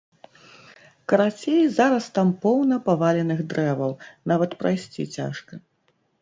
Карацей, зараз там поўна паваленых дрэваў, нават прайсці цяжка.